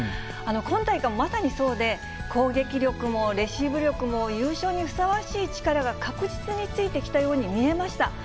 今大会もまさにそうで、攻撃力もレシーブ力も、優勝にふさわしい力が確実についてきたように見えました。